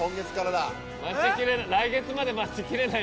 来月まで待ちきれない。